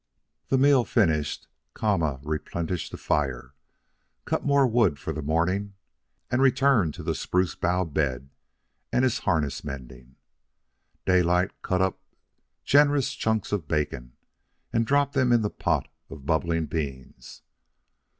The meal finished, Kama replenished the fire, cut more wood for the morning, and returned to the spruce bough bed and his harness mending. Daylight cut up generous chunks of bacon and dropped them in the pot of bubbling beans.